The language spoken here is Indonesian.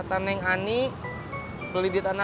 kata neng ani beli di tanah rika